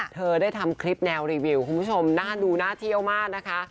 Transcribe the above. เธอได้ทำคลิปแนวรีวิวคุณผู้ชมน่าดูน่าเที่ยวมากนะคะ